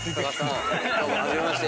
どうも初めまして。